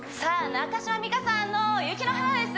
中島美嘉さんの「雪の華」です